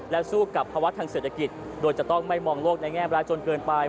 สู้กับภาวะทางเศรษฐกิจโดยจะต้องไม่มองโลกในแง่ร้ายจนเกินไป